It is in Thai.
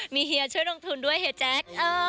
มีเฮียช่วยลงทุนด้วยเฮียแจ๊ค